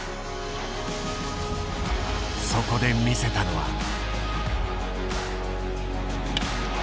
そこで見せたのは。